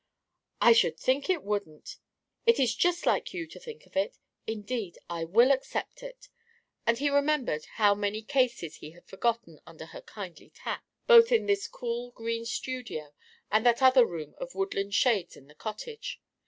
"I should think it wouldn't. It is just like you to think of it. Indeed I will accept it." And he remembered how many cases he had forgotten under her kindly tact, both in this cool green studio and that other room of woodland shades in the cottage.